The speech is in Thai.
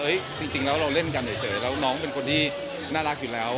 จริงแล้วเราเล่นกันเฉยแล้วน้องเป็นคนที่น่ารักอยู่แล้ว